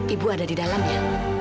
ibu ada di dalamnya